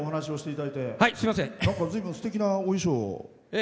ずいぶんすてきなお衣装を。